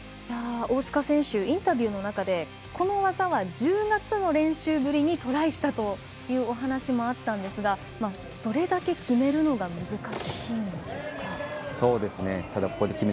大塚選手インタビューの中でこの技は１０月の練習ぶりにトライしたというお話もあったんですがそれだけ決めるのが難しいんでしょうか。